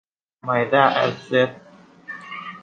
ไมด้า แอสเซ็ท